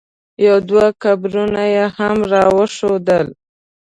یو دوه قبرونه یې هم را وښودل.